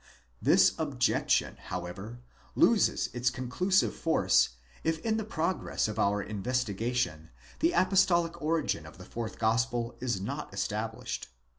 This objection, however, loses its conclusive force if in the progress of our investigation the apostolic origin of the fourth Gospel is not established.